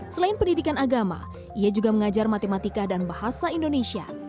selain pendidikan agama ia juga mengajar matematika dan bahasa indonesia